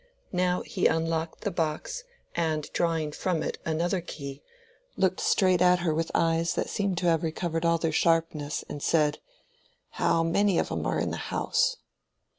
He now unlocked the box, and, drawing from it another key, looked straight at her with eyes that seemed to have recovered all their sharpness and said, "How many of 'em are in the house?"